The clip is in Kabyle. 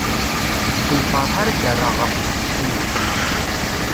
S lferḥ ara d-rreɣ ɣef usteqsi-inek.